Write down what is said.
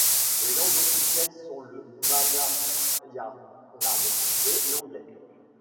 Les langues officielles sont le Malayalam et l'anglais.